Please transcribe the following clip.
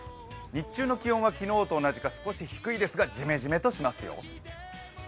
日中の気温は昨日と同じか少し低いですがジメジメとしますよ。